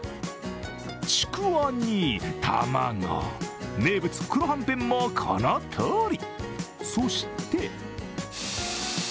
ちくわに、卵、名物・黒はんぺんもこのとおり。